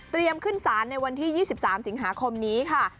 เตรียมขึ้นสารในวันที่๒๓สิงหาคมนี้ค่ะ